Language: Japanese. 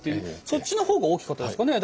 そっちの方が大きかったですかね。